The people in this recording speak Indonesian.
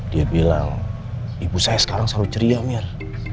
dia bilang ibu saya sekarang selalu ceria mir